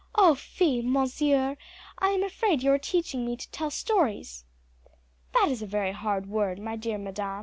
"Oh, fie, monsieur; I am afraid you are teaching me to tell stories." "That is a very hard word, my dear madam.